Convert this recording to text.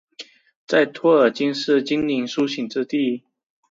在托尔金是精灵苏醒之地。